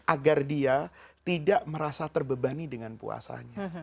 agar dia tidak merasa terbebani dengan puasanya